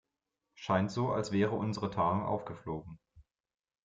Scheint so, als wäre unsere Tarnung aufgeflogen.